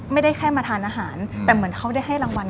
ไม่ได้แค่มาทานอาหารแต่เหมือนเขาได้ให้รางวัล